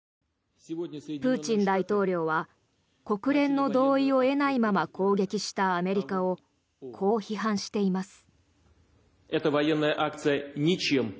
プーチン大統領は国連の同意を得ないまま攻撃したアメリカをこう批判しています。